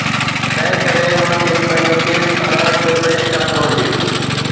تنهن ڪري هن کي پنهنجو ڪيس عدالت ۾ پيش ڪرڻ گهرجي.